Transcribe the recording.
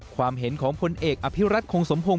ความเห็นของพลเอกอภิรัตคงสมพงศ